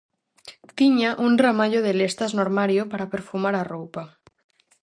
Tiña un ramallo de lestas no armario para perfumar a roupa.